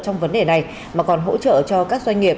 trong vấn đề này mà còn hỗ trợ cho các doanh nghiệp